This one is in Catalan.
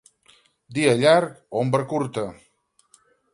Dia llarg, ombra curta.